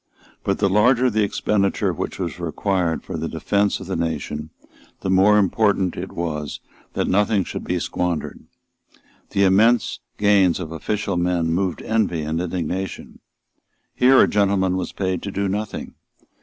But the larger the expenditure which was required for the defence of the nation, the more important it was that nothing should be squandered. The immense gains of official men moved envy and indignation. Here a gentleman was paid to do nothing.